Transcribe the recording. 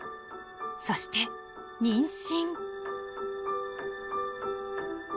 ［そして妊娠］